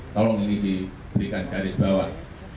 tolong ini diberikan garis bawah